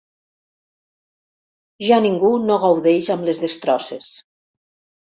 Ja ningú no gaudeix amb les destrosses.